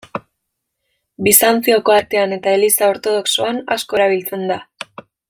Bizantzioko artean eta Eliza ortodoxoan asko erabiltzen da.